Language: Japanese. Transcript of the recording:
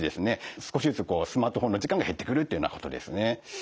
少しずつスマートフォンの時間が減ってくるっていうようなことですね。